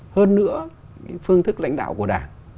hơn nữa cái phương thức lãnh đạo của đảng